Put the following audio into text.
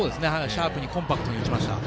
シャープにコンパクトに打ちましたね。